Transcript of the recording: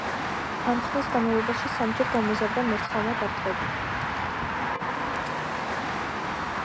ამ ხნის განმავლობაში სამჯერ გამოზარდა მერცხალმა ბარტყები